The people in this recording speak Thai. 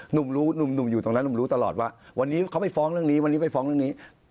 หนุ่มรู้หนุ่มอยู่ตรงนั้นหนุ่มรู้ตลอดว่าวันนี้เขาไปฟ้องเรื่องนี้วันนี้ไปฟ้องเรื่องนี้